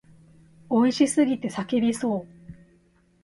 美味しすぎて叫びそう。